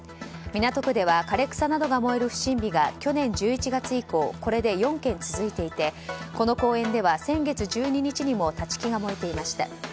港区では枯れ草などが燃える不審火が去年１１月以降これで４件続いていてこの公園では先月１２日にも立ち木が燃えていました。